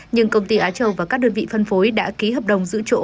nhưng công ty á châu và các đơn vị phân phối đã ký hợp đồng giữ chỗ